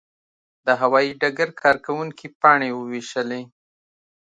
د هوايي ډګر کارکوونکي پاڼې وویشلې.